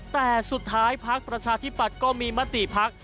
แต่สุดท้ายพักประชาธิปัตย์ก็มีมติพัก